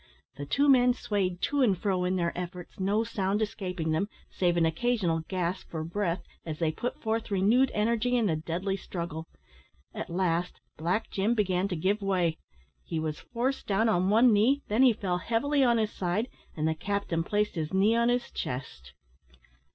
The two men swayed to and fro in their efforts, no sound escaping them, save an occasional gasp for breath as they put forth renewed energy in the deadly struggle. At last Black Jim began to give way. He was forced down on one knee, then he fell heavily on his side, and the captain placed his knee on his chest.